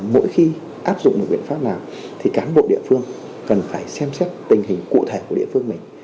mỗi khi áp dụng được biện pháp nào thì cán bộ địa phương cần phải xem xét tình hình cụ thể của địa phương mình